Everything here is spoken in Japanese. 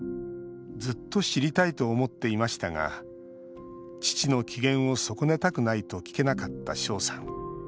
ずっと知りたいと思っていましたが父の機嫌を損ねたくないと聞けなかった翔さん。